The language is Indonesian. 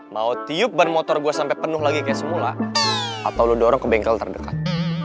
mau tiup ban motor gue sampai penuh lagi kayak semula atau lo dorong ke bengkel terdekat